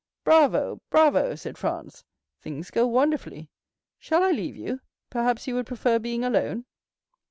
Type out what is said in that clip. "Bravo, bravo," said Franz; "things go wonderfully. Shall I leave you? Perhaps you would prefer being alone?"